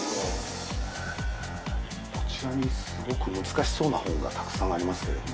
ちなみにすごく難しそうな本がたくさんありますけども。